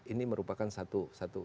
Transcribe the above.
ini merupakan satu